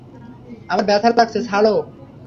আমার ব্যাথা লাগছে, ছাড়ো।